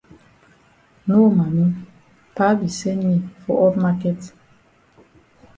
No Mami, Pa be send me for up maket.